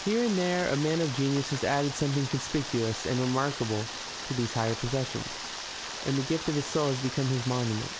Here and there a man of genius has added something conspicuous and remarkable to these higher possessions, and the gift of his soul has become his monument.